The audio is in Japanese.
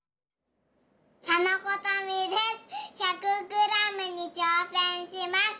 １００グラムにちょうせんします。